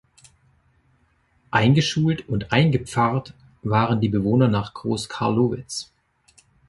Eingeschult und eingepfarrt waren die Bewohner nach Groß Carlowitz.